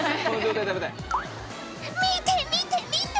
見て見て見て！